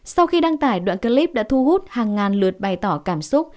sau khi đăng tải đoạn clip đã thu hút hàng ngàn lượt bày tỏ cảm xúc